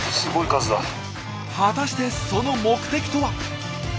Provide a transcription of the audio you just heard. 果たしてその目的とは？